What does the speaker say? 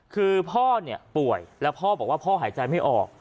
คือพ่อเนี่ยป่วยแล้วพ่อบอกว่าพ่อหายใจไม่ออก